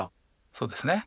そうですね。